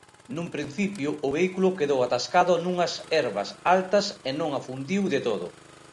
Nun principio o vehículo quedou atascado nunhas herbas altas e non afundiu de todo.